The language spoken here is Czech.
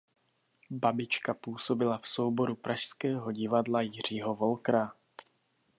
Babička působila v souboru pražského Divadla Jiřího Wolkera.